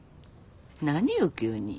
何よ急に。